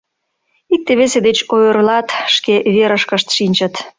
Икте-весе деч ойырлат, шке верышкышт шинчыт.